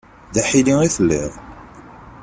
D aḥili i telliḍ.